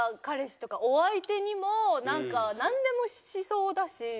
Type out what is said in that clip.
彼氏とかお相手にもなんかなんでもしそうだし。